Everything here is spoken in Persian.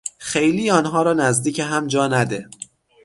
خیلی آنها را نزدیک هم جا نده.